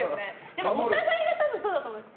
でもお互いがそうだと思います。